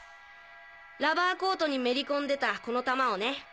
ラバーコートにめり込んでたこの弾をね。